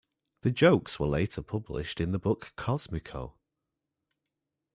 The jokes were later published in the book Cosmico!